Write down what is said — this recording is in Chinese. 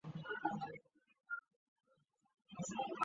因为害怕就不敢想像